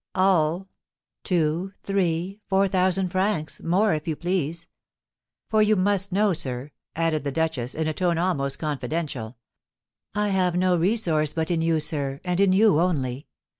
"All, two, three, four thousand francs, more, if you please. For you must know, sir," added the duchess, in a tone almost confidential, "I have no resource but in you, sir, and in you only.